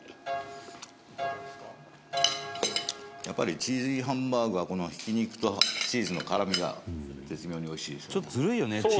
やっぱりチーズインハンバーグはこのひき肉とチーズの絡みが絶妙においしいですよね。